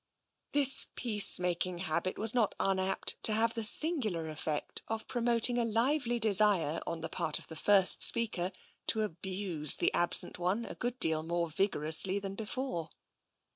This peace making habit was not unapt to have the singular effect of promoting a lively desire on the part of the first speaker to abuse the absent one a good deal more vigorously than before.